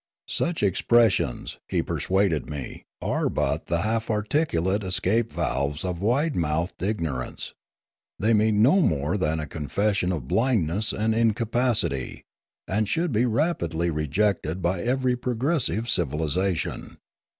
Such ex pressions, he persuaded me, are but the half articulate escape valves of wide mouthed ignorance; they mean no more than a confession of blinduess and incapacity, and should be rapidly rejected by every progressive civilisation.